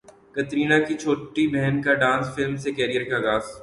کترینہ کی چھوٹی بہن کا ڈانس فلم سے کیریئر کا اغاز